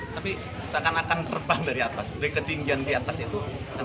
tapi seakan akan terbang dari atas dari ketinggian di atas itu